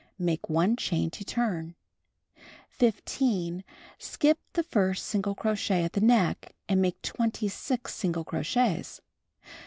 Make 1 chain to turn. 15. Skip the first single crochet at the neck, and make 2G single crochets.